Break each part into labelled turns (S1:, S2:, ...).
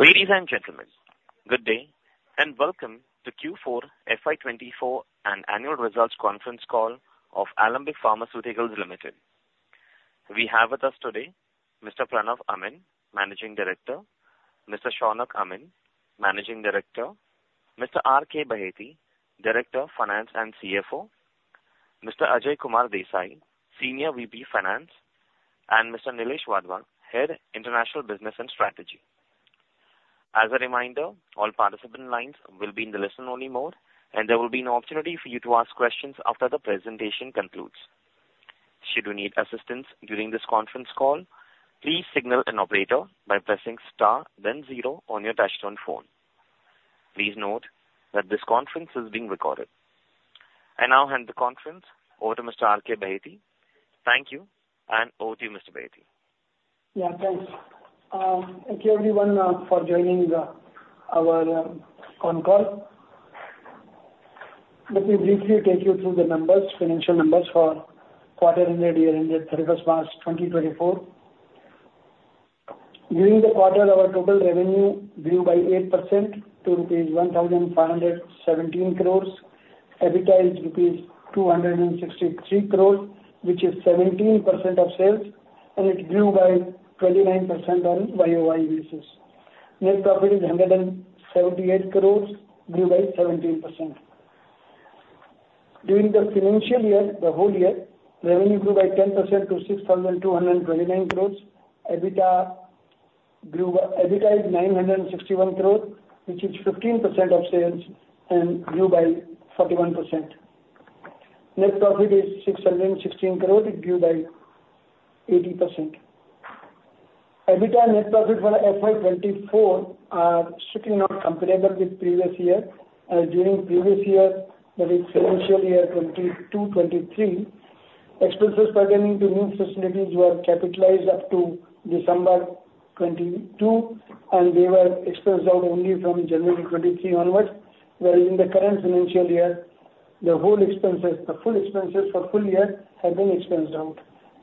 S1: Ladies and gentlemen, good day and welcome to Q4 FY 2024 and Annual Results Conference Call of Alembic Pharmaceuticals Limited. We have with us today Mr. Pranav Amin, Managing Director, Mr. Shaunak Amin, Managing Director, Mr. Raj Kumar Baheti, Director, Finance and CFO, Mr. Ajay Kumar Desai, Senior VP Finance, and Mr. Nilesh Wadhwa, Head International Business and Strategy. As a reminder, all participant lines will be in the listen-only mode and there will be an opportunity for you to ask questions after the presentation concludes. Should you need assistance during this conference call, please signal an operator by pressing star then zero on your touch-tone phone. Please note that this conference is being recorded. I now hand the conference over to Mr. Raj Kumar Baheti. Thank you and over to you, Mr. Baheti.
S2: Yeah, thanks. Thank you everyone for joining our con-call. Let me briefly take you through the numbers, financial numbers for quarter ended year ended 31st March 2024. During the quarter, our total revenue grew by 8% to rupees 1,517 crores, adjusted rupees 263 crores, which is 17% of sales, and it grew by 29% on YoY basis. Net profit is 178 crores, grew by 17%. During the financial year, the whole year, revenue grew by 10% to 6,229 crores. EBITDA grew by adjusted 961 crores, which is 15% of sales, and grew by 41%. Net profit is 616 crores, it grew by 80%. EBITDA and net profit for FY 2024 are strictly not comparable with previous year. During previous year, that is financial year 2022-2023, expenses pertaining to new facilities were capitalized up to December 2022, and they were expensed out only from January 2023 onwards. Whereas in the current financial year, the whole expenses, the full expenses for full year have been expensed out.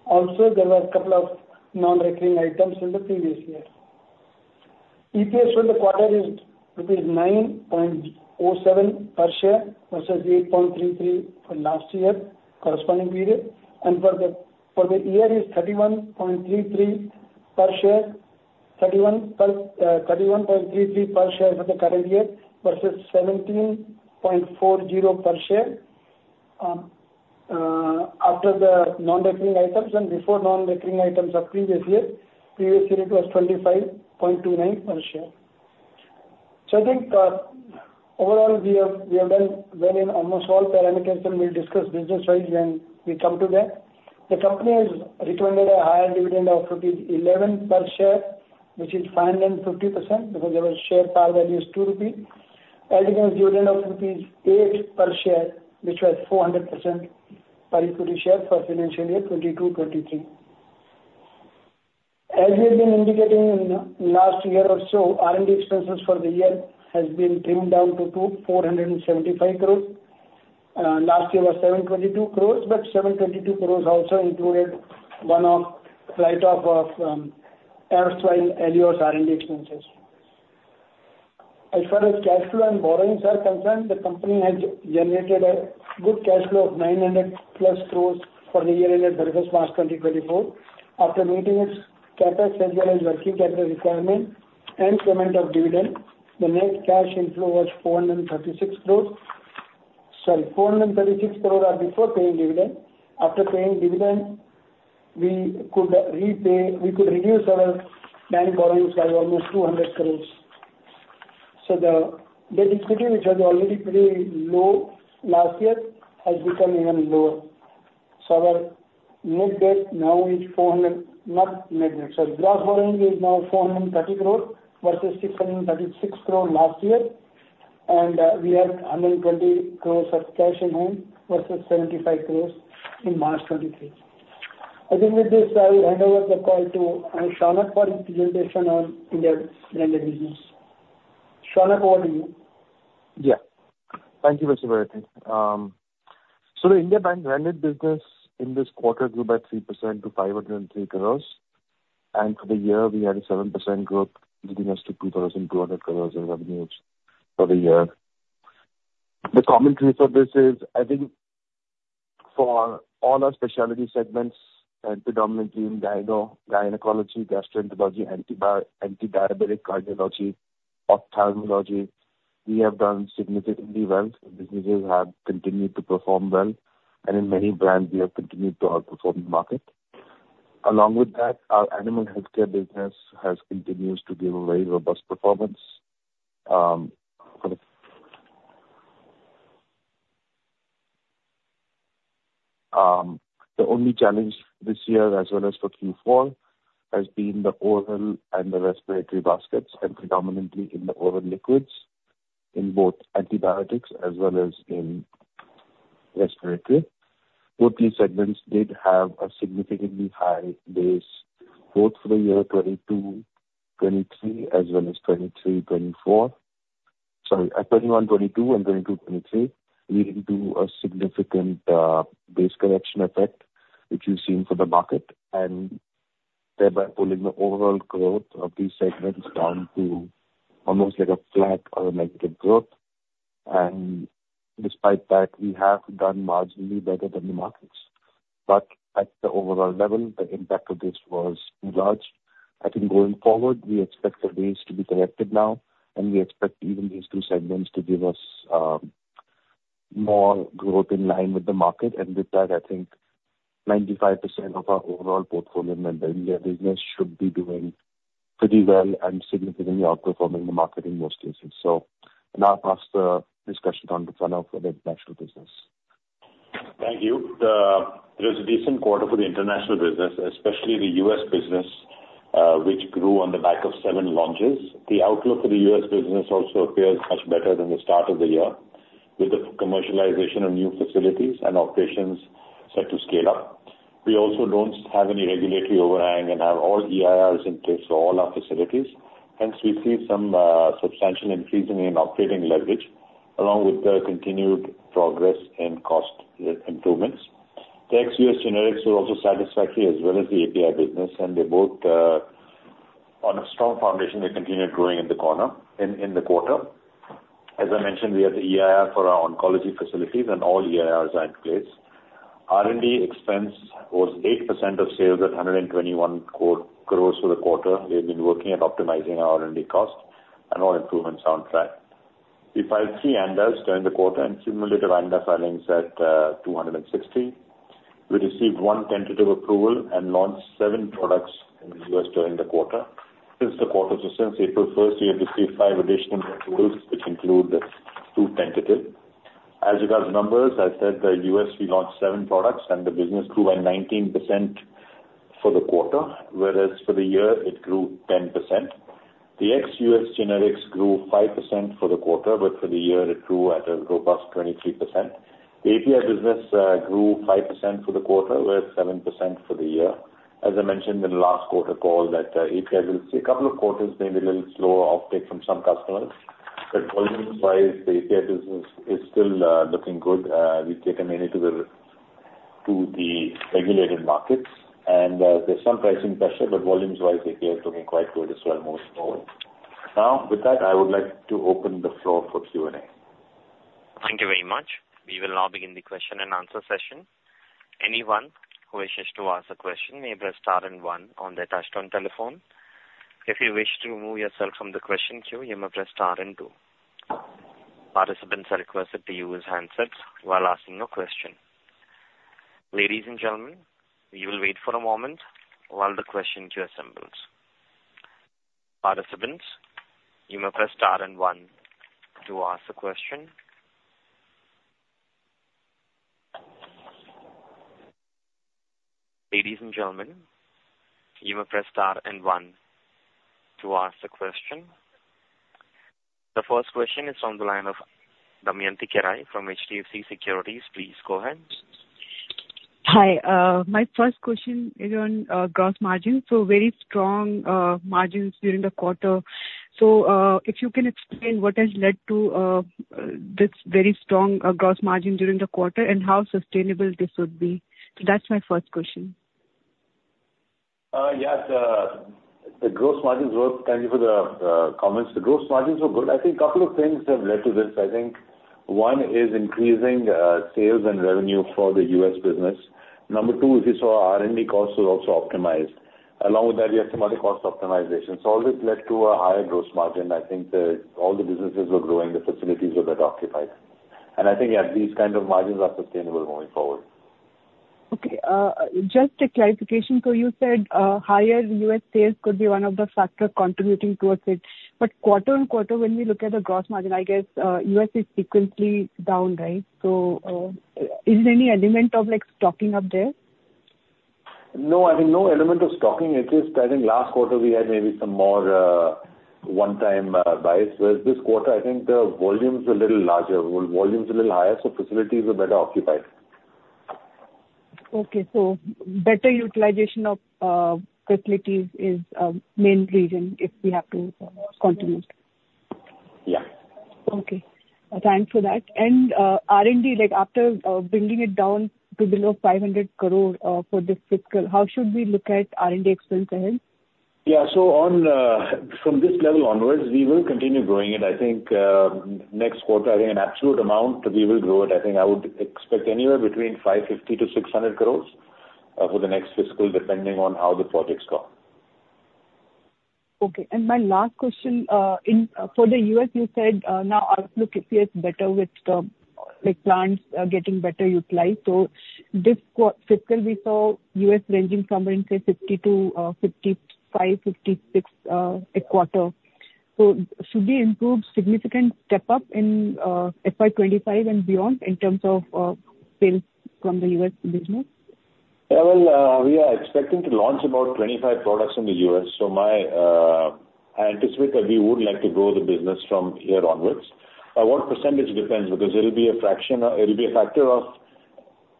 S2: Also, there were a couple of non-recurring items in the previous year. EPS for the quarter is rupees 9.07 per share versus 8.33 for last year corresponding period. And for the year is 31.33 per share for the current year versus 17.40 per share, after the non-recurring items and before non-recurring items of previous year. Previous year it was 25.29 per share. So I think, overall we have done well in almost all parameters, and we'll discuss business-wise when we come to that. The company has recommended a higher dividend of rupees 11 per share, which is 550% because their share par value is 2 rupees. Adding a dividend of rupees 8 per share, which was 400% per equity share for financial year 2022-2023. As we have been indicating in last year or so, R&D expenses for the year has been trimmed down to 2,475 crores. Last year was 722 crores, but 722 crores also included one of write-off of Aleor Dermaceuticals R&D expenses. As far as cash flow and borrowings are concerned, the company has generated a good cash flow of 900+ crores for the year ended 31st March 2024. After meeting its Capex as well as working capital requirement and payment of dividend, the net cash inflow was 436 crores. Sorry, 436 crores are before paying dividend. After paying dividend, we could repay we could reduce our bank borrowings by almost 200 crores. So the debt equity, which was already pretty low last year, has become even lower. So our net debt now is 400 not net debt. Sorry, gross borrowing is now 430 crores versus 636 crores last year. We have 120 crores of cash in hand versus 75 crores in March 2023. I think with this, I will hand over the call to Shaunak for his presentation on India Branded Business. Shaunak, over to you.
S3: Yeah. Thank you, Mr. Baheti. So the India Branded Business in this quarter grew by 3% to 503 crores, and for the year we had a 7% growth leading us to 2,200 crores in revenues for the year. The commentary for this is, I think, for all our specialty segments and predominantly in gynecology, gastroenterology, anti-diabetic cardiology, ophthalmology, we have done significantly well. Businesses have continued to perform well, and in many brands we have continued to outperform the market. Along with that, our animal healthcare business has continued to give a very robust performance, for the only challenge this year as well as for Q4 has been the oral and the respiratory baskets, and predominantly in the oral liquids in both antibiotics as well as in respiratory. Both these segments did have a significantly high base both for the year 2022-2023 as well as 2023-2024. Sorry, 2021-2022 and 2022-2023 leading to a significant base correction effect, which you've seen for the market, and thereby pulling the overall growth of these segments down to almost like a flat or a negative growth. Despite that, we have done marginally better than the markets, but at the overall level, the impact of this was enlarged. I think going forward, we expect the base to be corrected now, and we expect even these two segments to give us more growth in line with the market. With that, I think 95% of our overall portfolio in the India business should be doing pretty well and significantly outperforming the market in most cases. So now pass the discussion on to Pranav for the international business.
S4: Thank you. There is a decent quarter for the international business, especially the U.S. business, which grew on the back of seven launches. The outlook for the U.S. business also appears much better than the start of the year with the commercialization of new facilities and operations set to scale up. We also don't have any regulatory overhang and have all EIRs in place for all our facilities. Hence, we see some substantial increase in operating leverage along with the continued progress in cost improvements. The ex-U.S. generics were also satisfactory as well as the API business, and they're both on a strong foundation. They continue growing in the quarter. As I mentioned, we have the EIR for our oncology facilities, and all EIRs are in place. R&D expense was 8% of sales at 121 crore for the quarter. We have been working at optimizing our R&D cost, and all improvements sound right. We filed three ANDAs during the quarter and cumulative ANDA filings at 260. We received one tentative approval and launched seven products in the U.S. during the quarter. Since the quarter so since April 1st, we have received five additional approvals, which include the two tentative. As regards numbers, as said, the U.S., we launched seven products, and the business grew by 19% for the quarter, whereas for the year it grew 10%. The ex-U.S. generics grew 5% for the quarter, but for the year it grew at a robust 23%. The API business grew 5% for the quarter with 7% for the year. As I mentioned in the last quarter call that, API we'll see a couple of quarters maybe a little slower offtake from some customers, but volumes-wise, the API business is still looking good. We take them into the regulated markets, and there's some pricing pressure, but volumes-wise, API is looking quite good as well, moving forward. Now, with that, I would like to open the floor for Q&A.
S1: Thank you very much. We will now begin the question-and-answer session. Anyone who wishes to ask a question may press star and one on their touchtone telephone. If you wish to remove yourself from the question queue, you may press star and two. Participants are requested to use the handset while asking a question. Ladies and gentlemen, we will wait for a moment while the question queue assembles. Participants, you may press star and one to ask a question. Ladies and gentlemen, you may press star and one to ask a question. The first question is from the line of Damayanti Kerai from HDFC Securities. Please go ahead.
S5: Hi. My first question is on gross margins. So very strong margins during the quarter. So, if you can explain what has led to this very strong gross margin during the quarter and how sustainable this would be. So that's my first question.
S4: Yeah. The gross margins were, thank you for the comments. The gross margins were good. I think a couple of things have led to this. I think one is increasing sales and revenue for the U.S. business. Number two, if you saw, R&D costs were also optimized. Along with that, we have some other cost optimizations. So all this led to a higher gross margin. I think all the businesses were growing. The facilities were better occupied. And I think, yeah, these kind of margins are sustainable going forward.
S5: Okay. Just a clarification. So you said, higher U.S. sales could be one of the factors contributing towards it. But quarter-on-quarter, when we look at the gross margin, I guess, U.S. is sequentially down, right? So, is there any element of, like, stocking up there?
S4: No. I mean, no element of stocking. It's just, I think, last quarter we had maybe some more, one-time, buys. Whereas this quarter, I think the volume's a little larger volume's a little higher, so facilities were better occupied.
S5: Okay. So better utilization of facilities is a main reason if we have to continue.
S4: Yeah.
S5: Okay. Thanks for that. And R&D, like, after bringing it down to below 500 crore for this fiscal, how should we look at R&D expense ahead?
S4: Yeah. So on, from this level onwards, we will continue growing it. I think, next quarter, I think an absolute amount we will grow it. I think I would expect anywhere between 550 crore-600 crore, for the next fiscal depending on how the projects go.
S5: Okay. And my last question, for the U.S., you said now the outlook appears better with the, like, plants getting better utilized. So this quarter fiscal we saw U.S. ranging somewhere in, say, 50 to 55, 56 a quarter. So should we improve significant step up in FY 2025 and beyond in terms of sales from the U.S. business?
S4: Yeah. Well, we are expecting to launch about 25 products in the U.S. So, I anticipate that we would like to grow the business from here onwards. What percentage depends because it'll be a fraction, it'll be a factor of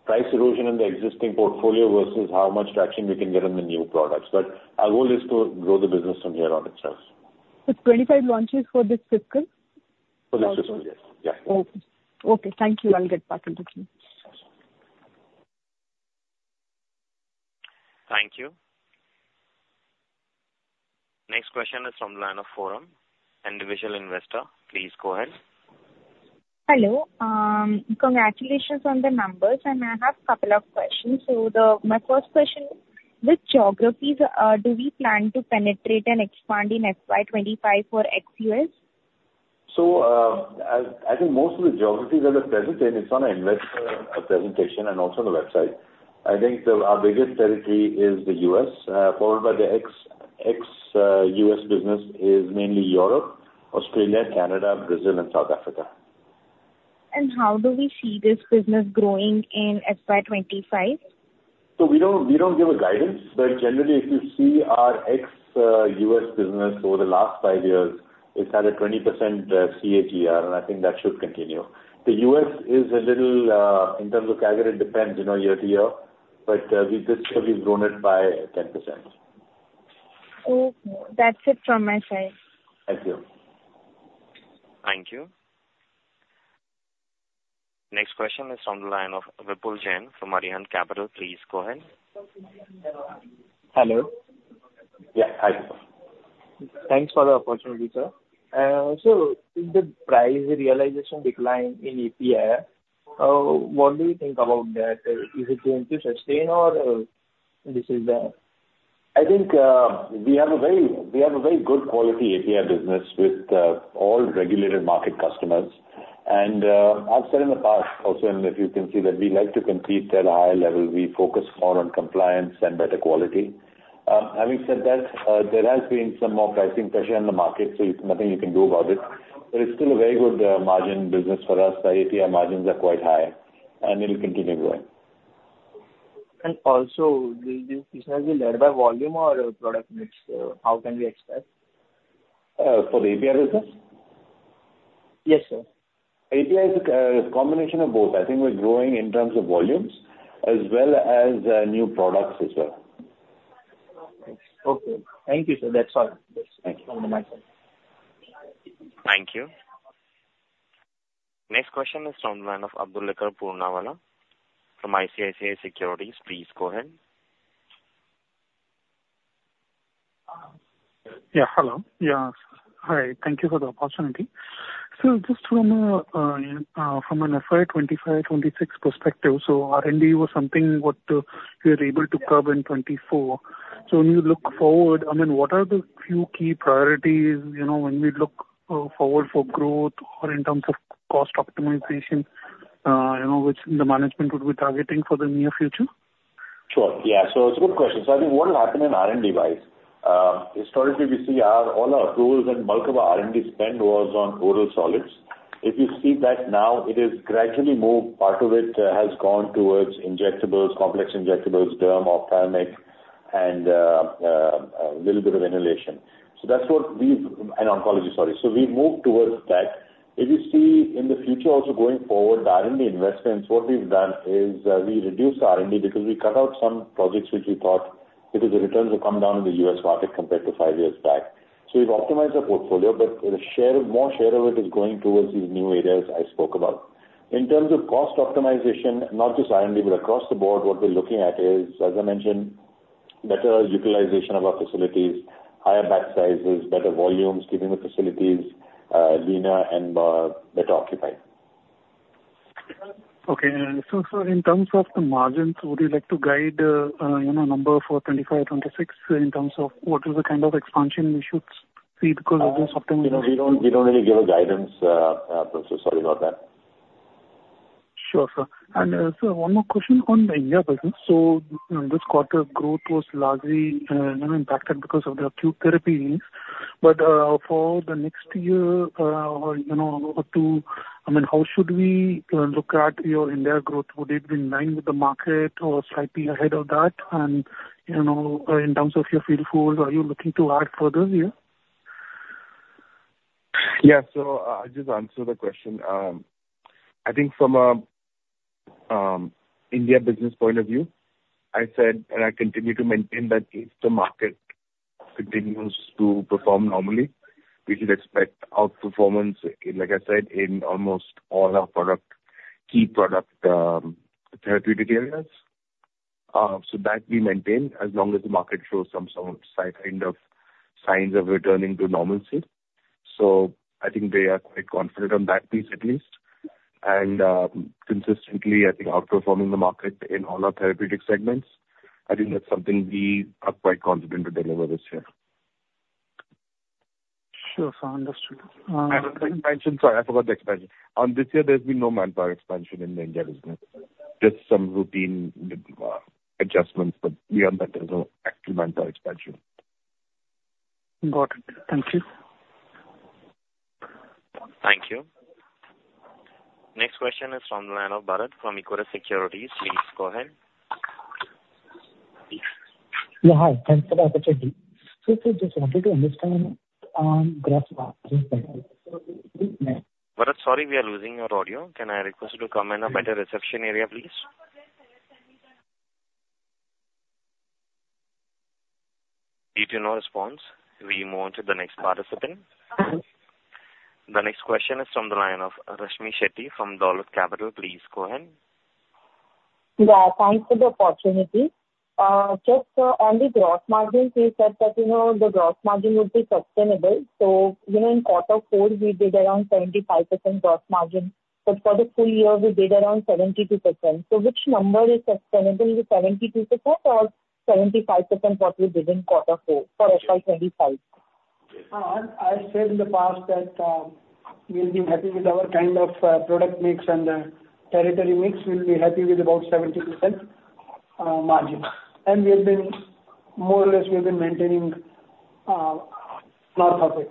S4: price erosion in the existing portfolio versus how much traction we can get in the new products. But our goal is to grow the business from here on itself.
S5: 25 launches for this fiscal?
S4: For this fiscal, yes. Yeah.
S5: Okay. Okay. Thank you. I'll get back into it.
S1: Thank you. Next question is from Lana Forum, individual investor. Please go ahead.
S6: Hello. Congratulations on the numbers, and I have a couple of questions. So, my first question: which geographies do we plan to penetrate and expand in FY 2025 for ex-U.S.?
S4: So, I think most of the geographies that are present. It's on an investor presentation and also on the website. I think our biggest territory is the U.S., followed by the ex-U.S. business is mainly Europe, Australia, Canada, Brazil, and South Africa.
S6: How do we see this business growing in FY 2025?
S4: So we don't give a guidance, but generally, if you see our ex-U.S. business over the last five years, it's had a 20% CAGR, and I think that should continue. The U.S. is a little in terms of CAGR, it depends, you know, year to year, but we this year, we've grown it by 10%.
S6: Okay. That's it from my side.
S4: Thank you.
S1: Thank you. Next question is from the line of Vipul Jain from Arihant Capital. Please go ahead.
S7: Hello.
S4: Yeah. Hi.
S7: Thanks for the opportunity, sir. So the price realization decline in API, what do you think about that? Is it going to sustain, or, this is the?
S4: I think we have a very good quality API business with all regulated market customers. I've said in the past also, and if you can see that we like to compete at a higher level, we focus more on compliance and better quality. Having said that, there has been some more pricing pressure in the market, so there's nothing you can do about it. But it's still a very good margin business for us. The API margins are quite high, and it'll continue growing.
S7: Also, will this business be led by volume or product mix? How can we expect?
S4: for the API business?
S7: Yes, sir.
S4: API is a combination of both. I think we're growing in terms of volumes as well as new products as well.
S7: Okay. Thank you, sir. That's all.
S4: Thank you.
S7: From my side.
S1: Thank you. Next question is from the line of Abdulkader Puranwala from ICICI Securities. Please go ahead.
S8: Yeah. Hello. Yeah. Hi. Thank you for the opportunity. So just from a, you know, from an FY 2025-FY 2026 perspective, so R&D was something what, we were able to curb in 2024. So when you look forward, I mean, what are the few key priorities, you know, when we look, forward for growth or in terms of cost optimization, you know, which the management would be targeting for the near future?
S4: Sure. Yeah. So it's a good question. So I think what will happen in R&D-wise, historically, we see all our approvals and bulk of our R&D spend was on oral solids. If you see that now, it has gradually moved part of it, has gone towards injectables, complex injectables, derm, ophthalmic, and a little bit of inhalation. So that's what we've and oncology, sorry. So we've moved towards that. If you see in the future also going forward, the R&D investments, what we've done is, we reduce R&D because we cut out some projects which we thought because the returns have come down in the U.S. market compared to five years back. So we've optimized our portfolio, but more share of it is going towards these new areas I spoke about. In terms of cost optimization, not just R&D but across the board, what we're looking at is, as I mentioned, better utilization of our facilities, higher batch sizes, better volumes, keeping the facilities leaner and better occupied.
S8: Okay. And so in terms of the margins, would you like to guide, you know, number for 2025-2026 in terms of what is the kind of expansion we should see because of this optimization?
S4: You know, we don't really give a guidance, so sorry about that.
S8: Sure, sir. And, sir, one more question on the India business. So, you know, this quarter growth was largely, you know, impacted because of the acute therapy needs. But, for the next year, or, you know, or two, I mean, how should we, look at your India growth? Would it be in line with the market or slightly ahead of that? And, you know, in terms of your field force, are you looking to add further here?
S4: Yeah. So, I'll just answer the question. I think from a India business point of view, I said and I continue to maintain that if the market continues to perform normally, we should expect outperformance, like I said, in almost all our key product therapeutic areas. So that we maintain as long as the market shows some sign kind of signs of returning to normalcy. So I think they are quite confident on that piece at least. And, consistently, I think, outperforming the market in all our therapeutic segments, I think that's something we are quite confident to deliver this year.
S8: Sure, sir. Understood.
S4: I have an expansion. Sorry, I forgot the expansion. On this year, there's been no manpower expansion in the India business, just some routine adjustments. But beyond that, there's no actual manpower expansion.
S8: Got it. Thank you.
S1: Thank you. Next question is from the line of Bharat from Equirus Securities. Please go ahead.
S9: Yeah. Hi. Thanks for the opportunity. So, sir, just wanted to understand, graph, just a minute.
S1: Bharat, sorry we are losing your audio. Can I request you to come in a better reception area, please? Did you not respond? We move on to the next participant. The next question is from the line of Rashmi Shetty from Dolat Capital. Please go ahead.
S10: Yeah. Thanks for the opportunity. Just, on the gross margins, we said that, you know, the gross margin would be sustainable. So, you know, in quarter four, we did around 75% gross margin. But for the full year, we did around 72%. So which number is sustainable, the 72% or 75% what we did in quarter four for FY 2025?
S2: I said in the past that we'll be happy with our kind of product mix and territory mix. We'll be happy with about 70% margin. And we have been more or less, we have been maintaining north of it.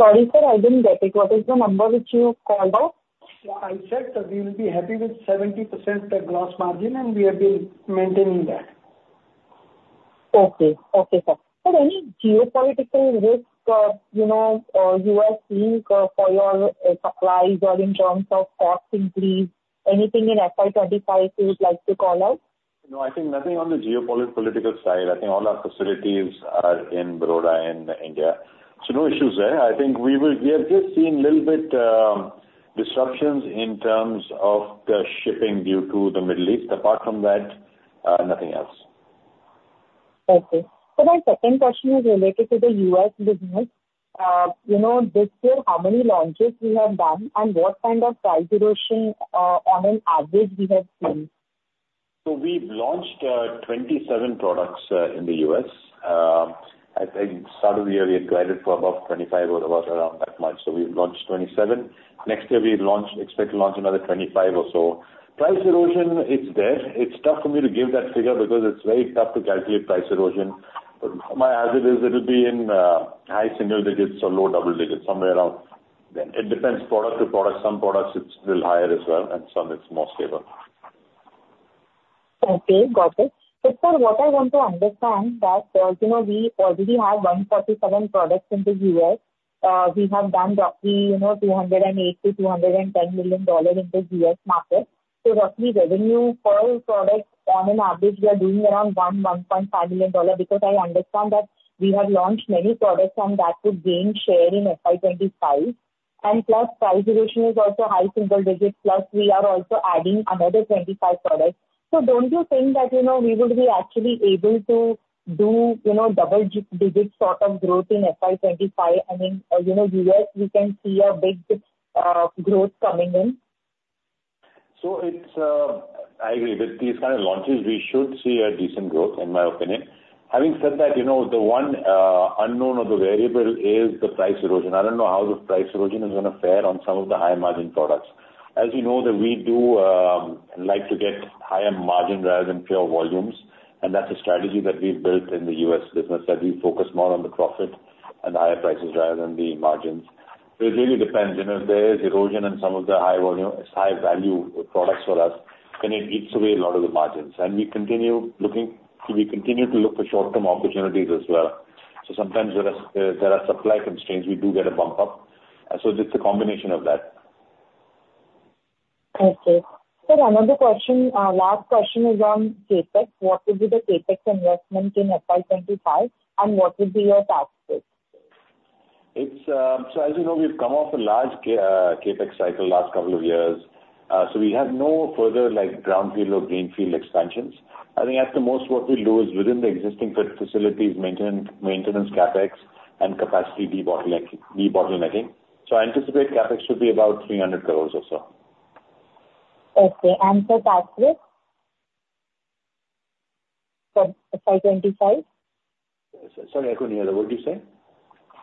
S10: Sorry, sir. I didn't get it. What is the number which you called out?
S2: Yeah. I said that we will be happy with 70% gross margin, and we have been maintaining that.
S10: Okay. Okay, sir. Is there any geopolitical risk, you know, you are seeing, for your, supplies or in terms of cost increase? Anything in FY 2025 you would like to call out?
S4: No. I think nothing on the geopolitical side. I think all our facilities are in Baroda in India. So no issues there. I think we have just seen a little bit, disruptions in terms of the shipping due to the Middle East. Apart from that, nothing else.
S10: Okay. So my second question is related to the U.S. business. You know, this year, how many launches we have done and what kind of price erosion, on an average we have seen?
S4: So we've launched 27 products in the U.S. At the start of the year, we had guided for about 25 or around that much. So we've launched 27. Next year, we launch expect to launch another 25 or so. Price erosion, it's there. It's tough for me to give that figure because it's very tough to calculate price erosion. But my, as it is, it'll be in high single digits or low double digits, somewhere around there. It depends product to product. Some products, it's a little higher as well, and some it's more stable.
S10: Okay. Got it. So, sir, what I want to understand that, you know, we already have 147 products in the U.S. We have done roughly, you know, $208 million-$210 million in the U.S. market. So roughly, revenue per product on an average, we are doing around $1 million-$1.5 million because I understand that we have launched many products, and that would gain share in FY 2025. And plus, price erosion is also high single-digit, plus we are also adding another 25 products. So don't you think that, you know, we would be actually able to do, you know, double-digit sort of growth in FY 2025? I mean, you know, U.S., we can see a big, growth coming in.
S4: So, it's. I agree. With these kind of launches, we should see a decent growth, in my opinion. Having said that, you know, the one unknown or the variable is the price erosion. I don't know how the price erosion is gonna fare on some of the high-margin products. As you know, that we do, like to get higher margin rather than pure volumes. And that's a strategy that we've built in the U.S. business, that we focus more on the profit and the higher prices rather than the margins. So it really depends. You know, if there is erosion in some of the high-volume high-value products for us, then it eats away a lot of the margins. And we continue to look for short-term opportunities as well. So sometimes there are supply constraints. We do get a bump up. And so just a combination of that.
S10: Okay. Sir, another question, last question is on CapEx. What would be the CapEx investment in FY 2025, and what would be your task force?
S4: It's so, as you know, we've come off a large capex cycle last couple of years. So we have no further, like, brownfield or greenfield expansions. I think at the most, what we'll do is within the existing facilities, maintenance capex and capacity debottlenecking. So I anticipate capex should be about 300 crore or so.
S10: Okay. And so tax rate for FY 2025?
S4: Sorry, I couldn't hear that. What'd you say?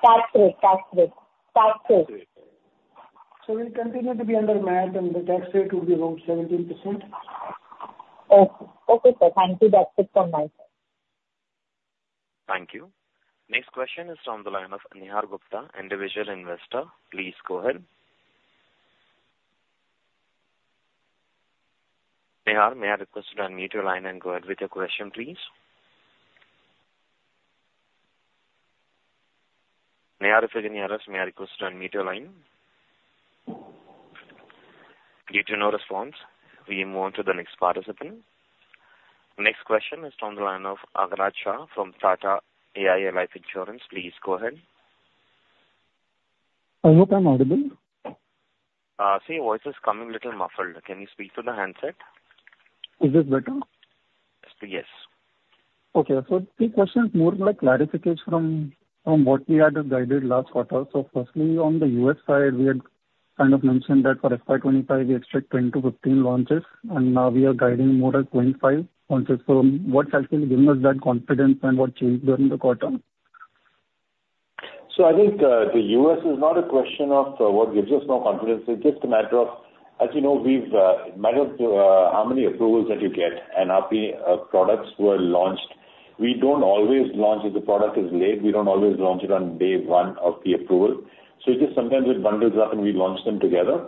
S10: Tax rate. Tax rate. Tax rate.
S4: Tax rate.
S2: So we'll continue to be under MAT, and the tax rate would be about 17%.
S10: Okay. Okay, sir. Thank you. That's it from my side.
S1: Thank you. Next question is from the line of Nihar Gupta, individual investor. Please go ahead. Nihar, may I request you to unmute your line and go ahead with your question, please? Nihar, if you can hear us, may I request you to unmute your line? Did you not respond? We move on to the next participant. Next question is from the line of Agraj Shah from Tata AIA Life Insurance. Please go ahead.
S11: I hope I'm audible.
S1: See, your voice is coming a little muffled. Can you speak through the handset?
S11: Is this better?
S1: Yes.
S11: Okay. So three questions, more like clarifications from what we had guided last quarter. So firstly, on the U.S. side, we had kind of mentioned that for FY 2025, we expect 10-15 launches, and now we are guiding more than 25 launches. So what helps you give us that confidence and what changed during the quarter?
S4: So I think, the U.S. is not a question of, what gives us more confidence. It's just a matter of, as you know, we've, it matters to, how many approvals that you get and how many, products were launched. We don't always launch if the product is late. We don't always launch it on day one of the approval. So just sometimes it bundles up, and we launch them together.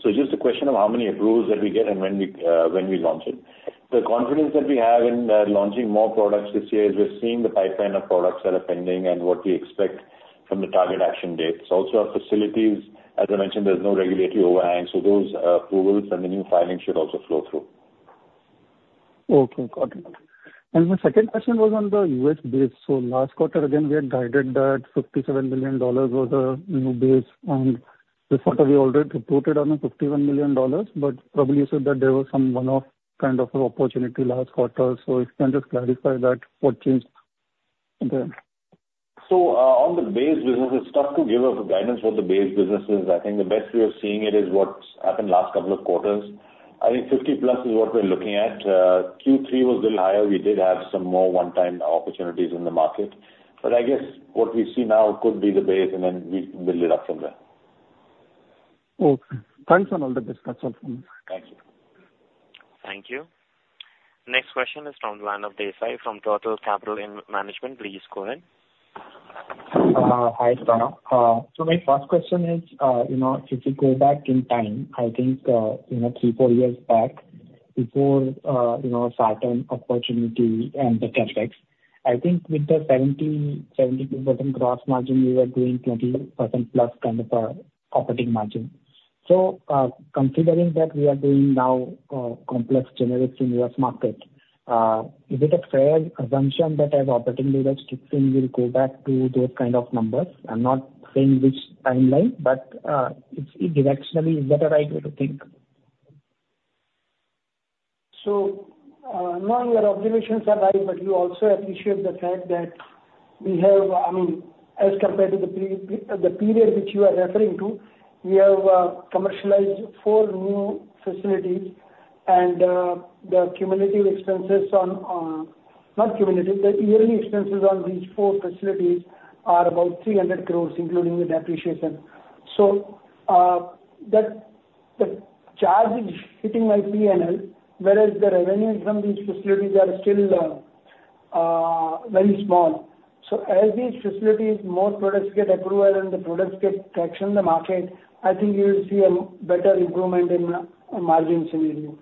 S4: So it's just a question of how many approvals that we get and when we, when we launch it. The confidence that we have in, launching more products this year is we're seeing the pipeline of products that are pending and what we expect from the target action dates. Also, our facilities, as I mentioned, there's no regulatory overhang. So those, approvals and the new filings should also flow through.
S11: Okay. Got it. And my second question was on the US base. So last quarter, again, we had guided that $57 million was a new base. And this quarter, we already reported on a $51 million, but probably you said that there was some one-off kind of an opportunity last quarter. So if you can just clarify that, what changed there?
S4: On the base business, it's tough to give a guidance for the base businesses. I think the best we are seeing it is what's happened last couple of quarters. I think 50+ is what we're looking at. Q3 was a little higher. We did have some more one-time opportunities in the market. I guess what we see now could be the base, and then we build it up from there.
S11: Okay. Thanks on all the discussion, sir.
S4: Thank you.
S1: Thank you. Next question is from the line of Desai from Turtle Capital. Please go ahead.
S12: Hi, Shaunak So my first question is, you know, if you go back in time, I think, you know, three, four years back, before, you know, sartans opportunity and the capex, I think with the 70%-72% gross margin, we were doing 20%+ kind of an operating margin. So, considering that we are doing now complex generics in U.S. market, is it a fair assumption that as operating leadership team, we'll go back to those kind of numbers? I'm not saying which timeline, but, it's directionally, is that a right way to think?
S2: So, no, your observations are right, but you also appreciate the fact that we have. I mean, as compared to the pre the period which you are referring to, we have commercialized four new facilities. And the cumulative expenses on, on not cumulative. The yearly expenses on these four facilities are about 300 crore, including with depreciation. So, that, that charge is hitting my P&L, whereas the revenues from these facilities are still very small. So as these facilities, more products get approval and the products get traction in the market, I think you'll see a better improvement in margin scenario.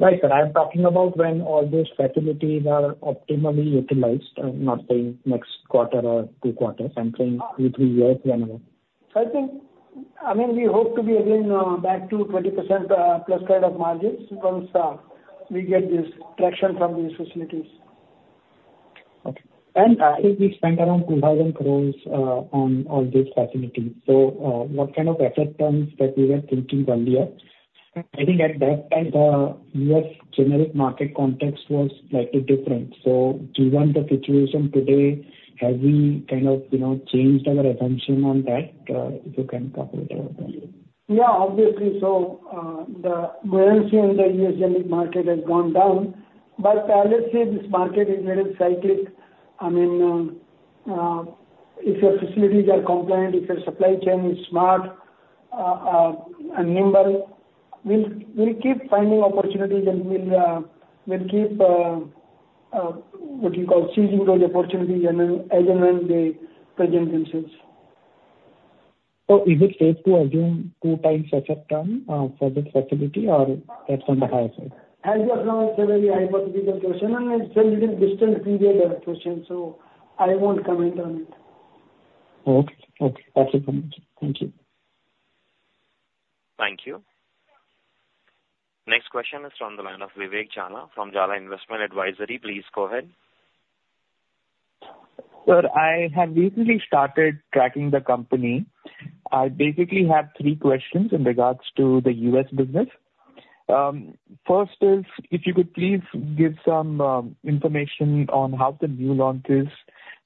S2: Right. But I'm talking about when all those facilities are optimally utilized. I'm not saying next quarter or two quarters. I'm saying two, three years, whenever. I think I mean, we hope to be again back to 20%+ kind of margins once we get this traction from these facilities. Okay. And I think we spent around 2,000 crores on all these facilities. So, what kind of capex terms that we were thinking earlier. I think at that time, the U.S. generic market context was slightly different. So given the situation today, have we kind of, you know, changed our assumption on that, if you can talk a little bit about that? Yeah. Obviously. So, the currency in the U.S. generic market has gone down. But let's say this market is a little cyclic. I mean, if your facilities are compliant, if your supply chain is smart, and nimble, we'll, we'll keep finding opportunities, and we'll, we'll keep, what do you call, seizing those opportunities as and when they present themselves. So is it safe to assume two-times effort term for this facility, or that's on the higher side? As you asked, no. It's a very hypothetical question. It's a little distant period question, so I won't comment on it.
S12: Okay. Okay. That's it from my side. Thank you.
S1: Thank you. Next question is from the line of Vivek Jhala from Jhala Investment Advisory. Please go ahead.
S13: Sir, I have recently started tracking the company. I basically have three questions in regard to the U.S. business. First is if you could please give some information on how the new launches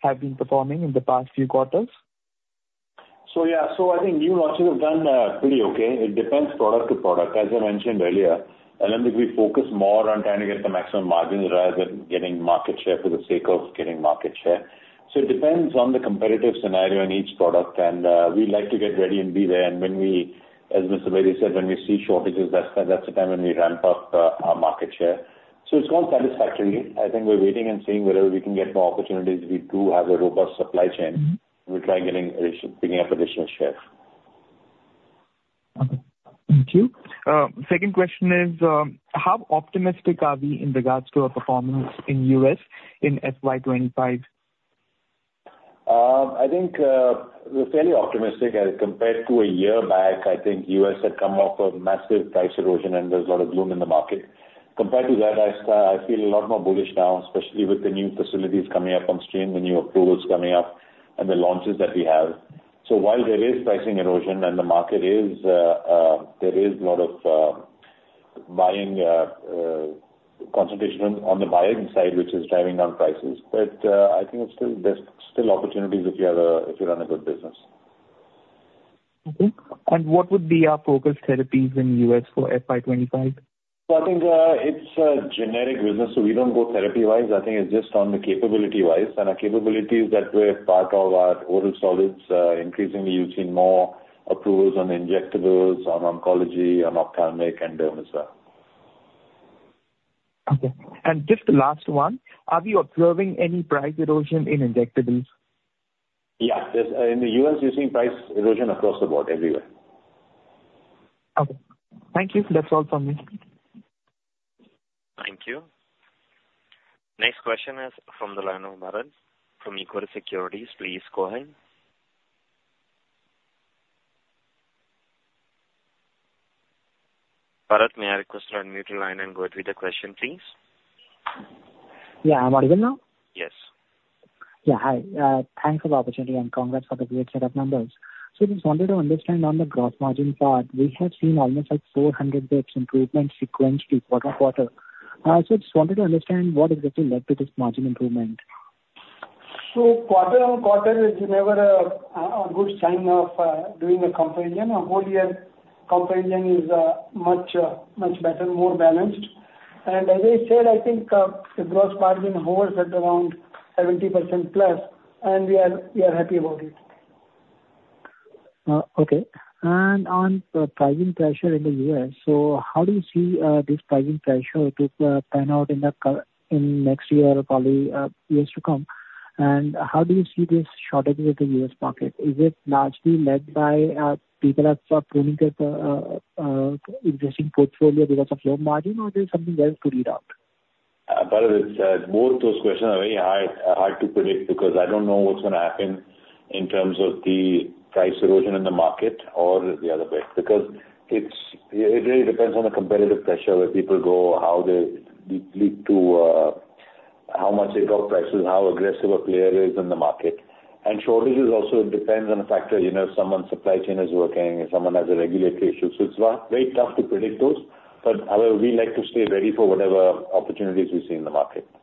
S13: have been performing in the past few quarters.
S4: So, yeah. So I think new launches have done pretty okay. It depends product to product. As I mentioned earlier, Alembic, we focus more on trying to get the maximum margins rather than getting market share for the sake of getting market share. So it depends on the competitive scenario in each product. And we like to get ready and be there. And when we as Mr. Baheti said, when we see shortages, that's the that's the time when we ramp up our market share. So it's gone satisfactorily. I think we're waiting and seeing whether we can get more opportunities. We do have a robust supply chain. We'll try getting additional picking up additional share.
S13: Okay. Thank you. Second question is, how optimistic are we in regards to our performance in U.S. in FY 2025?
S4: I think we're fairly optimistic. As compared to a year back, I think U.S. had come off of massive price erosion, and there's a lot of bloom in the market. Compared to that, I feel a lot more bullish now, especially with the new facilities coming up on stream, the new approvals coming up, and the launches that we have. So while there is pricing erosion and the market is, there is a lot of buying concentration on the buying side, which is driving down prices. But I think there's still opportunities if you run a good business.
S13: Okay. What would be our focus therapies in U.S. for FY 2025?
S4: I think it's a generic business, so we don't go therapy-wise. I think it's just on the capability-wise. Our capability is that we're part of our oral solids. Increasingly, you've seen more approvals on injectables, on oncology, on ophthalmic, and derm as well.
S13: Okay. And just the last one. Are we observing any price erosion in injectables?
S4: Yeah. There's in the U.S., you're seeing price erosion across the board, everywhere.
S13: Okay. Thank you. That's all from me.
S1: Thank you. Next question is from the line of Bharat from Equirus Securities. Please go ahead. Bharat, may I request you to unmute your line and go ahead with your question, please?
S9: Yeah. Am I even now?
S1: Yes.
S9: Yeah. Hi. Thanks for the opportunity, and congrats for the great set of numbers. So I just wanted to understand on the gross margin part, we have seen almost like 400 basis points improvement sequentially quarter after quarter. So I just wanted to understand what exactly led to this margin improvement?
S14: So, quarter-on-quarter, as you know, a good sign of doing a comparison. A whole-year comparison is much, much better, more balanced. And as I said, I think the gross margin hovers at around 70%+, and we are happy about it. Okay. And on pricing pressure in the U.S., so how do you see this pricing pressure to pan out in the current year or probably years to come? And how do you see this shortage with the US market? Is it largely led by people pruning their existing portfolio because of low margin, or is there something else to read out?
S4: Bharat, it's both those questions are very hard, hard to predict because I don't know what's gonna happen in terms of the price erosion in the market or the other bits because it's it really depends on the competitive pressure where people go, how they lead to, how much they drop prices, how aggressive a player is in the market. And shortages also, it depends on a factor, you know, if someone's supply chain is working, if someone has a regulatory issue. So it's very tough to predict those. But, however, we like to stay ready for whatever opportunities we see in the market.
S9: Right.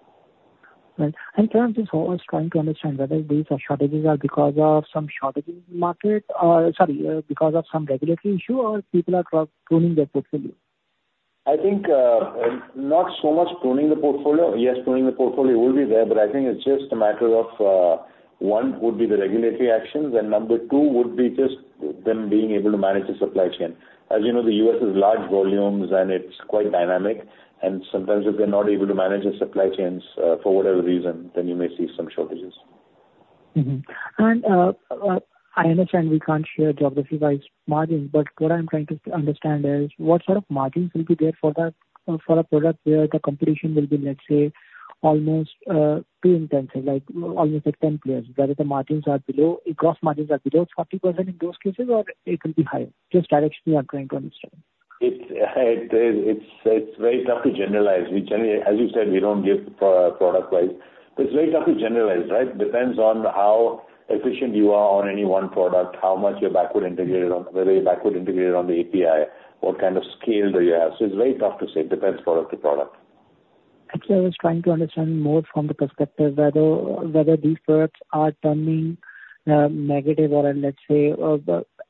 S9: Perhaps this what I was trying to understand, whether these shortages are because of some shortage in the market or sorry, because of some regulatory issue, or people are drop pruning their portfolio?
S4: I think, not so much pruning the portfolio. Yes, pruning the portfolio will be there, but I think it's just a matter of, one, would be the regulatory actions, and number two, would be just them being able to manage the supply chain. As you know, the U.S. is large volumes, and it's quite dynamic. Sometimes if they're not able to manage the supply chains, for whatever reason, then you may see some shortages.
S9: Mm-hmm. And I understand we can't share geography-wise margins, but what I'm trying to understand is what sort of margins will be there for that for a product where the competition will be, let's say, almost too intensive, like almost like 10 players? Whether the margins are below gross margins are below 40% in those cases, or it will be higher? Just directionally I'm trying to understand.
S4: It's very tough to generalize. We generally, as you said, we don't give product-wise. But it's very tough to generalize, right? Depends on how efficient you are on any one product, how much you're backward integrated on whether you're backward integrated on the API, what kind of scale do you have. So it's very tough to say. It depends product to product.
S9: Actually, I was trying to understand more from the perspective whether these products are turning negative or, let's say,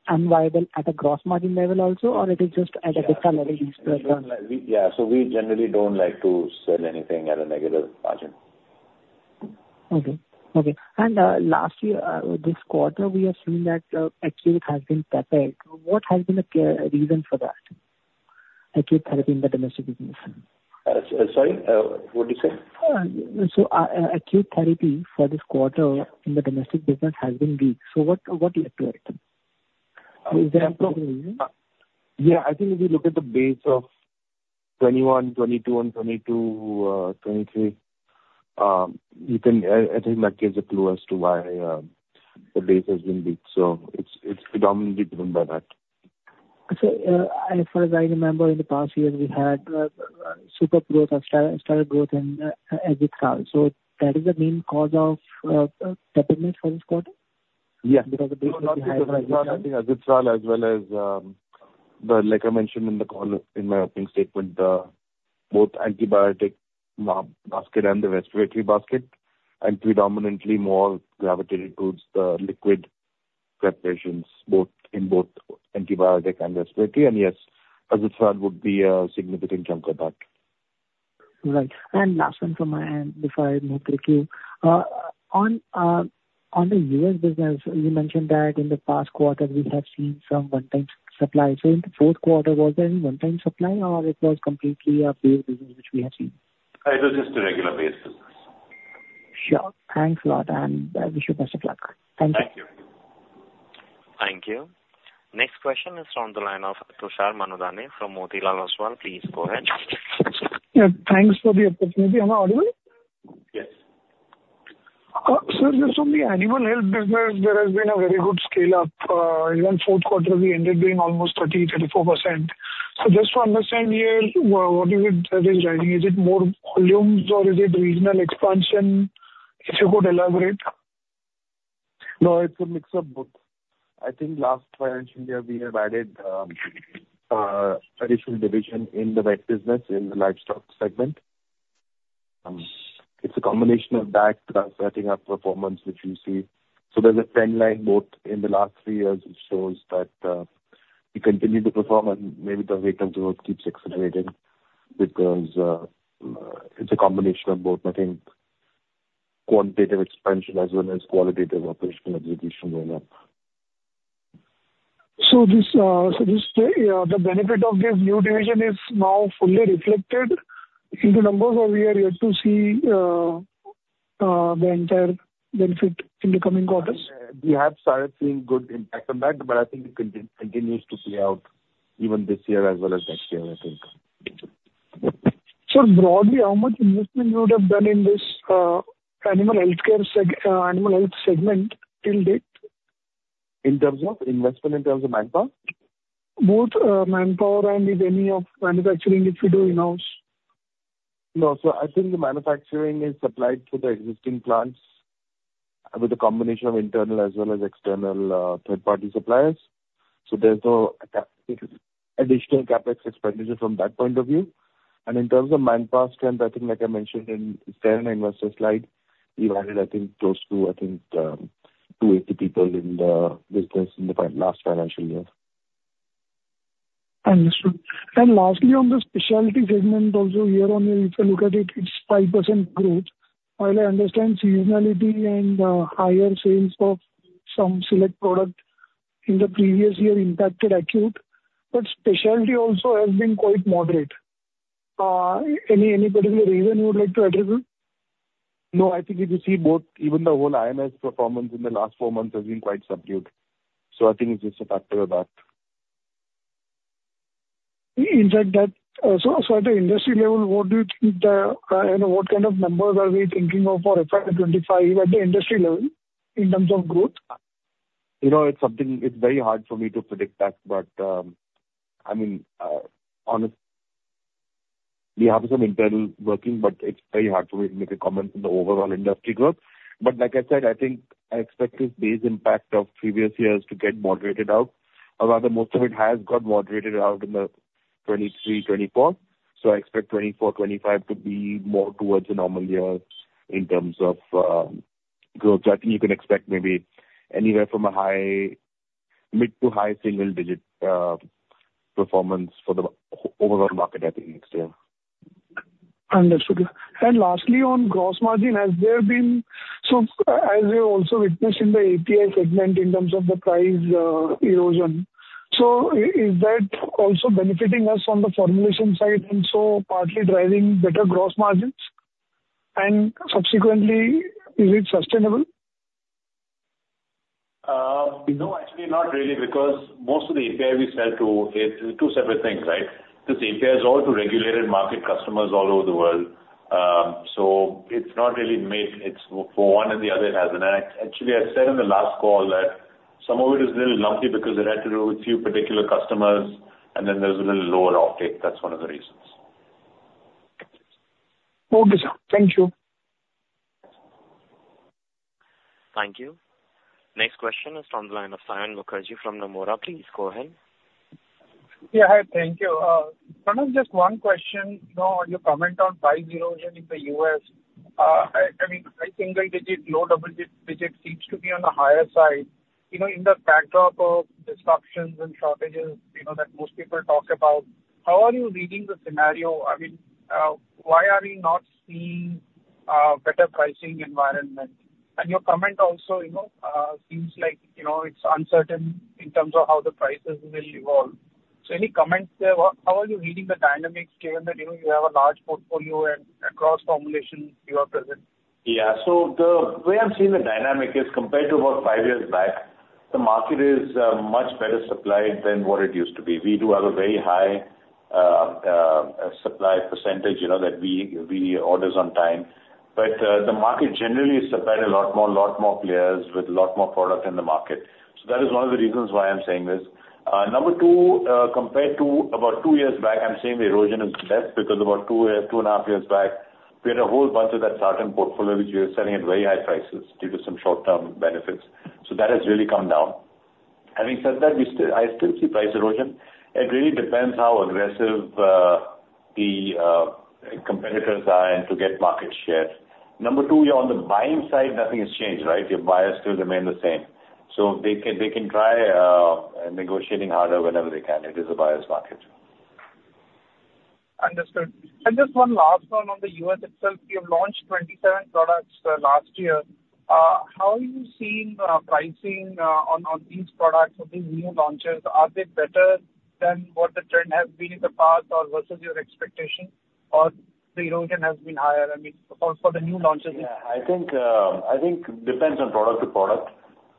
S9: unviable at a gross margin level also, or it is just at a fixed level these products are?
S4: So we generally don't like to sell anything at a negative margin.
S9: Okay. Last year this quarter, we have seen that Acute has been peppered. What has been the key reason for that, Acute Therapy in the domestic business?
S4: Sorry? What did you say?
S9: So, Acute Therapy for this quarter in the domestic business has been weak. So what, what led to it? Is there a reason?
S4: Yeah. I think if you look at the base of 2021, 2022, and 2022, 2023, you can, I think that gives a clue as to why, the base has been weak. So it's predominantly driven by that.
S9: So, as far as I remember, in the past years, we had super growth of sartans growth in Azithral. So that is the main cause of depressedness for this quarter?
S4: Yes.
S9: Because the base is very high.
S4: No, no, no. I think Azithral as well as the, like I mentioned in the call in my opening statement, the both antibiotic basket and the respiratory basket, and predominantly more gravitated towards the liquid preparations both in both antibiotic and respiratory. And yes, Azithral would be a significant chunk of that.
S9: Right. And last one from my end before I move through to you. On the U.S. business, you mentioned that in the past quarter, we have seen some one-time supply. So in the fourth quarter, was there any one-time supply, or it was completely a base business which we have seen?
S4: It was just a regular base business.
S9: Sure. Thanks a lot. I wish you best of luck. Thank you.
S4: Thank you.
S1: Thank you. Next question is from the line of Tushar Manudhane from Motilal Oswal. Please go ahead.
S15: Yeah. Thanks for the opportunity. Am I audible?
S4: Yes.
S15: Sir, just on the animal health business, there has been a very good scale-up. Even fourth quarter, we ended doing almost 30%-34%. So just to understand here, what is it that is driving? Is it more volumes, or is it regional expansion, if you could elaborate?
S4: No, it's a mix of both. I think last financial year, we have added additional division in the vet business in the livestock segment. It's a combination of that, setting up performance which we see. So there's a trend line both in the last three years which shows that we continue to perform, and maybe the rate of growth keeps accelerating because it's a combination of both, I think, quantitative expansion as well as qualitative operational execution going up.
S15: So this, the benefit of this new division is now fully reflected in the numbers, or we are yet to see the entire benefit in the coming quarters?
S4: We have started seeing good impact on that, but I think it continues to play out even this year as well as next year, I think.
S15: Sir, broadly, how much investment you would have done in this, animal health segment till date?
S4: In terms of investment in terms of manpower?
S15: Both, manpower and if any of manufacturing if we do in-house.
S4: No. So I think the manufacturing is supplied through the existing plants with a combination of internal as well as external, third-party suppliers. So there's no additional capex expenditure from that point of view. And in terms of manpower strength, I think, like I mentioned in Q4 and investor slide, we've added, I think, close to 280 people in the business in the FY last financial year.
S15: Understood. Lastly, on the specialty segment also here on yours if I look at it, it's 5% growth. While I understand seasonality and higher sales of some select product in the previous year impacted Acute, but specialty also has been quite moderate. Any particular reason you would like to attribute?
S4: No. I think if you see both, even the whole IMS performance in the last four months has been quite subdued. So I think it's just a factor of that.
S15: In fact, so at the industry level, what do you think, you know, what kind of numbers are we thinking of for FY 2025 at the industry level in terms of growth?
S4: You know, it's something it's very hard for me to predict that, but, I mean, honestly, we have some internal working, but it's very hard for me to make a comment on the overall industry growth. But like I said, I think I expect this base impact of previous years to get moderated out. Or rather, most of it has got moderated out in the 2023, 2024. So I expect 2024, 2025 to be more towards a normal year in terms of growth. So I think you can expect maybe anywhere from a high mid- to high single-digit performance for the overall market, I think, next year.
S15: Understood. And lastly, on gross margin, has there been so, as you also witnessed in the API segment in terms of the price erosion, so is that also benefiting us on the formulation side and so partly driving better gross margins? Subsequently, is it sustainable?
S4: No, actually, not really because most of the API we sell to is two separate things, right? This API is all to regulated market customers all over the world. So it's not really made it's for one and the other, it hasn't. And I actually, I said in the last call that some of it is a little lumpy because it had to do with a few particular customers, and then there's a little lower uptake. That's one of the reasons.
S15: Okay. Thank you.
S1: Thank you. Next question is from the line of Saion Mukherjee from Nomura. Please go ahead.
S16: Yeah. Hi. Thank you. Perhaps just one question, you know, on your comment on price erosion in the U.S. I, I mean, high single-digit, low double-digit seems to be on the higher side. You know, in the backdrop of disruptions and shortages, you know, that most people talk about, how are you reading the scenario? I mean, why are we not seeing better pricing environment? And your comment also, you know, seems like, you know, it's uncertain in terms of how the prices will evolve. So any comments there? How are you reading the dynamics given that, you know, you have a large portfolio and across formulations, you are present?
S4: Yeah. So the way I'm seeing the dynamic is compared to about five years back, the market is much better supplied than what it used to be. We do have a very high supply percentage, you know, that we order on time. But the market is generally supplied a lot more, a lot more players with a lot more product in the market. So that is one of the reasons why I'm saying this. Number two, compared to about two years back, I'm saying the erosion is less because about two, 2.5 years back, we had a whole bunch of that sartans portfolio which we were selling at very high prices due to some short-term benefits. So that has really come down. Having said that, we still, I still see price erosion. It really depends how aggressive the competitors are and to get market share. Number two, you're on the buying side. Nothing has changed, right? Your buyers still remain the same. So they can try, negotiating harder whenever they can. It is a buyer's market.
S16: Understood. And just one last one on the U.S. itself. You have launched 27 products last year. How are you seeing pricing on these products or these new launches? Are they better than what the trend has been in the past or versus your expectation, or the erosion has been higher? I mean, for the new launches?
S4: Yeah. I think, I think depends on product to product.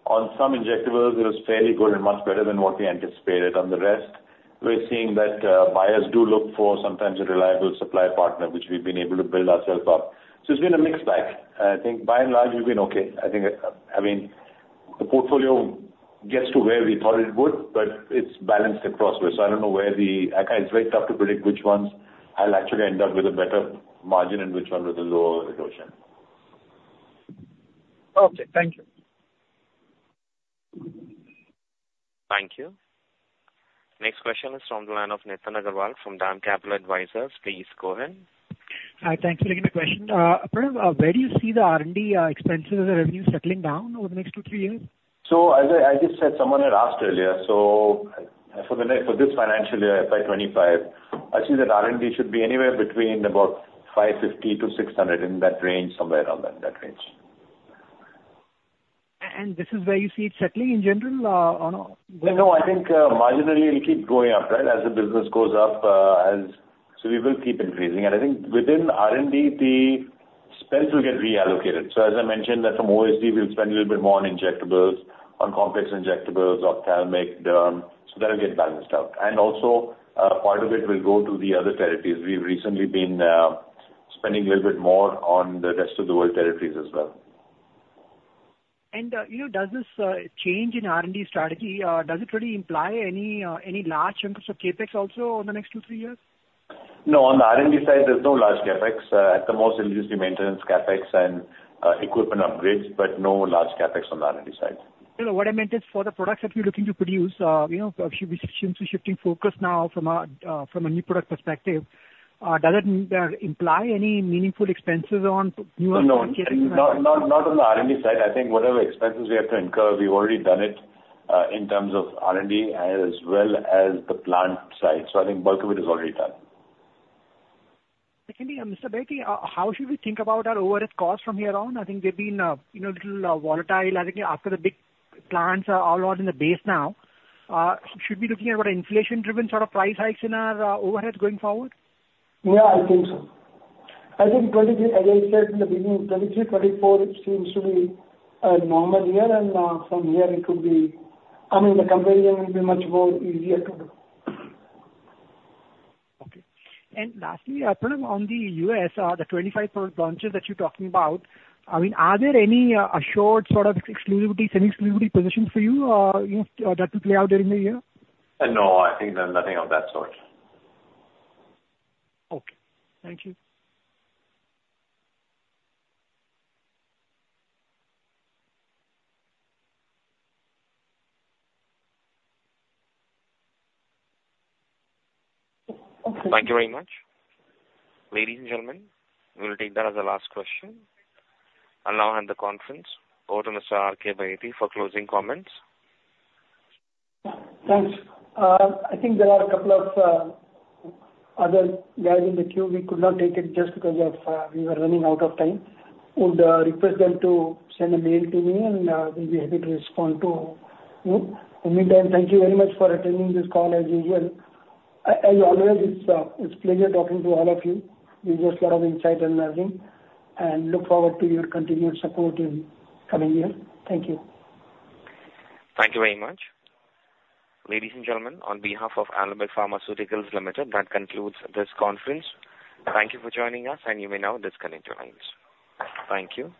S4: On some injectables, it was fairly good and much better than what we anticipated. On the rest, we're seeing that buyers do look for sometimes a reliable supply partner which we've been able to build ourselves up. So it's been a mixed bag. I think by and large, we've been okay. I think, I mean, the portfolio gets to where we thought it would, but it's balanced across ways. So I don't know where the I kind it's very tough to predict which ones will actually end up with a better margin and which one with a lower erosion.
S16: Okay. Thank you.
S1: Thank you. Next question is from the line of Nitin Agarwal from DAM Capital Advisors. Please go ahead.
S17: Hi. Thanks for taking the question. Perhaps, where do you see the R&D expenses and revenue settling down over the next two, three years?
S4: As I just said, someone had asked earlier. For the next for this financial year, FY 2025, I see that R&D should be anywhere between about 550-600, in that range, somewhere around that, that range.
S17: And this is where you see it settling in general, on a way?
S4: No, no. I think, marginally, it'll keep going up, right, as the business goes up, as so we will keep increasing. And I think within R&D, the spend will get reallocated. So as I mentioned, that from OSD, we'll spend a little bit more on injectables, on complex injectables, ophthalmic, derm. So that'll get balanced out. And also, part of it will go to the other territories. We've recently been, spending a little bit more on the rest of the world territories as well.
S17: You know, does this change in R&D strategy? Does it really imply any large chunks of CapEx also on the next two, three years?
S4: No. On the R&D side, there's no large CapEx. At the most, it'll just be maintenance CapEx and equipment upgrades, but no large CapEx on the R&D side.
S17: You know, what I meant is for the products that you're looking to produce, you know, perhaps you be since we're shifting focus now from a new product perspective, does it imply any meaningful expenses on newer products getting done?
S4: No, no. No, no, not on the R&D side. I think whatever expenses we have to incur, we've already done it, in terms of R&D as well as the plant side. So I think bulk of it is already done.
S17: Secondly, Mr. Baheti, how should we think about our overhead costs from here on? I think they've been, you know, a little, volatile. I think after the big plants are all out in the base now, should we be looking at what an inflation-driven sort of price hikes in our, overhead going forward?
S2: Yeah. I think so. I think 2023, as I said in the beginning, 2023, 2024 seems to be a normal year, and, from here, it could be, I mean, the comparison will be much more easier to do.
S17: Okay. And lastly, perhaps on the U.S., the 2025 product launches that you're talking about, I mean, are there any assured sort of exclusivity, semi-exclusivity positions for you, you know, that will play out during the year?
S4: No. I think nothing of that sort.
S17: Okay. Thank you.
S4: Okay.
S1: Thank you very much. Ladies and gentlemen, we'll take that as a last question. I'll now hand the conference over to Mr. R. K. Baheti for closing comments.
S2: Thanks. I think there are a couple of other guys in the queue. We could not take it just because we were running out of time. Would request them to send a mail to me, and they'll be happy to respond to you. In the meantime, thank you very much for attending this call as usual. As always, it's a pleasure talking to all of you. We've got a lot of insight and learning, and look forward to your continued support in coming years. Thank you.
S1: Thank you very much. Ladies and gentlemen, on behalf of Alembic Pharmaceuticals Limited, that concludes this conference. Thank you for joining us, and you may now disconnect your lines. Thank you.